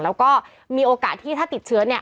แล้วก็มีโอกาสที่ถ้าติดเชื้อเนี่ย